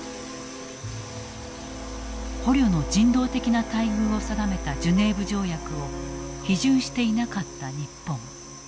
捕虜の人道的な待遇を定めたジュネーブ条約を批准していなかった日本。